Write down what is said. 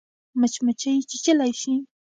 مچمچۍ چیچلای شي